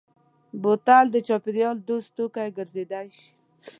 بوتل د چاپېریال دوست توکی ګرځېدای شي.